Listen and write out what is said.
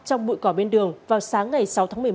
trong bụi cỏ bên đường vào sáng ngày sáu tháng một mươi một